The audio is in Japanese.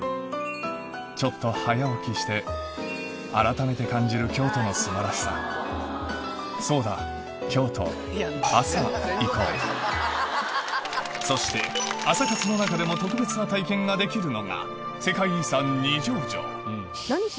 ちょっと早起きしてあらためて感じる京都の素晴らしさそして朝活の中でも特別な体験ができるのがえ！